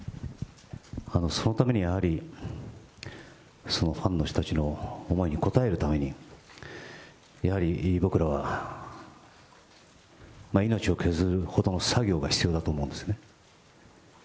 そのためにやはり、そのファンの人たちの思いに応えるために、やはり僕らは、命を削ることの作業が必要だと思うんですね。